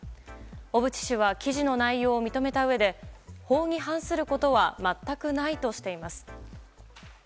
小渕氏は記事の内容を認めたうえで法に反することは全くないとしています。